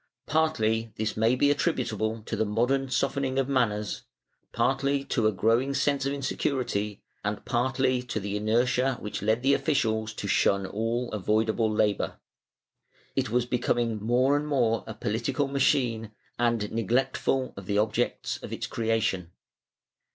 Partly this may be attributable to the modern softening of manners, partly to a growing sense of insecurity, and partly to the inertia which led the officials to shun all avoidable labor. It was becoming more and more a political machine and neglectful of the objects of its creation.